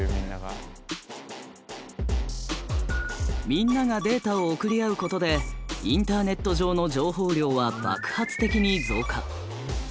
みんながデータを送り合うことでインターネット上の情報量は爆発的に増加。